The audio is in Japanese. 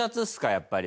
やっぱり。